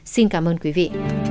xin cảm ơn quý vị